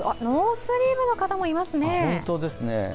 ノースリーブの方もいますね。